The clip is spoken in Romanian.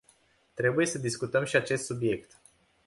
Trebuie să discutăm și acest subiect.